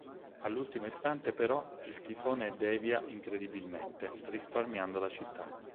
All'ultimo istante però, il tifone devia incredibilmente, risparmiando la città.